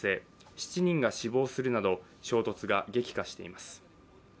７人が死亡するなど衝突が激化しています。